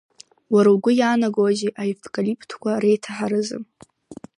Уара угәы иаанагози аевкалиптқәа реиҭаҳаразы?